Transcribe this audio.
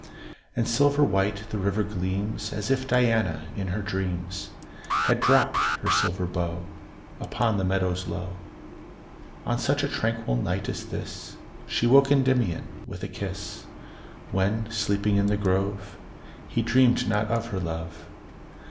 And silver white the river gleams, As if Diana, in her dreams, Had dropt her silver bow Upon the meadows low. On such a tranquil night as this, She woke Endymion with a kiss, When, sleeping in the grove, He dreamed not of her love.